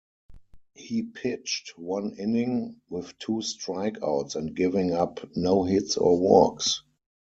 He pitched one inning with two strikeouts and giving up no hits or walks.